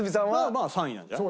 まあ３位なんじゃない？